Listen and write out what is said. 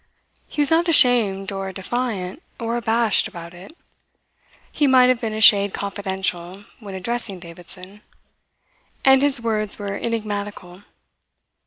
He was not ashamed or defiant or abashed about it. He might have been a shade confidential when addressing Davidson. And his words were enigmatical.